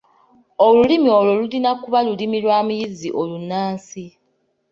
Olulimi olwo lulina kuba Lulimi lwa muyizi olunnansi.